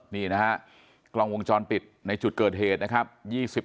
นี่นะฮะกล้องวงจรปิดในจุดเกิดเหตุนะครับ